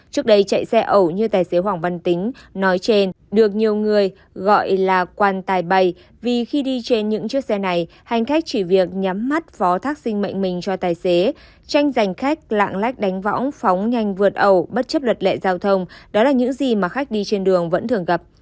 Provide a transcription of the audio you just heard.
trước đây chạy xe ẩu như tài xế hoàng văn tính nói trên được nhiều người gọi là quan tài bày vì khi đi trên những chiếc xe này hành khách chỉ việc nhắm mắt phó thác sinh mệnh mình cho tài xế tranh giành khách lạng lách đánh võng phóng nhanh vượt ẩu bất chấp luật lệ giao thông đó là những gì mà khách đi trên đường vẫn thường gặp